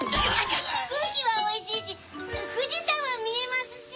空気はおいしいし富士山は見えますし。